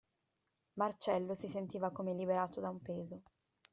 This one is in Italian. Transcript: Marcello si sentiva come liberato da un peso.